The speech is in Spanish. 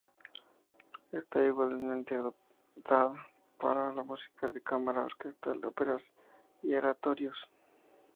Está igualmente dotada para la música de cámara, orquestal, óperas, y oratorios.